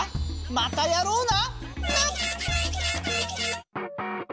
またやろうな！